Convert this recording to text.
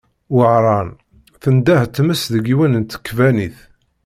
Wehran, tendeh tmes deg yiwet n tkebbanit.